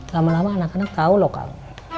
lama lama anak anak tau loh